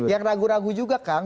yang ragu ragu juga kang